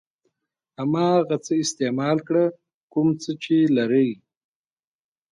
هماغه څه استعمال کړه کوم څه چې لرئ.